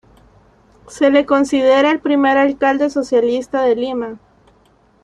Se le considera el primer alcalde socialista de Lima.